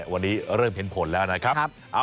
วันนี้เริ่มเห็นผลแล้วนะครับ